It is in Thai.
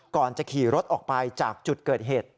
ก่อนจะขี่รถออกไปจากจุดเกิดเหตุ